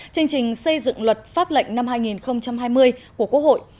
chương trình xây dựng luật pháp lệnh năm hai nghìn hai mươi của quốc hội